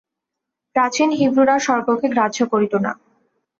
প্রাচীন হিব্রুরা স্বর্গকে গ্রাহ্য করিত না।